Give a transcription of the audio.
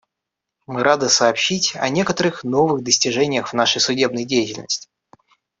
Мы рады сообщить о некоторых новых достижениях в нашей судебной деятельности.